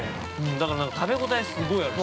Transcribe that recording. だから食べごたえすごいあるし。